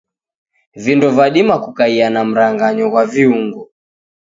Vindo vadima kukaia na mranganyo ghwa viungo.